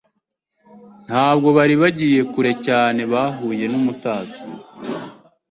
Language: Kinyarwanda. Ntabwo bari bagiye kure cyane bahuye numusaza.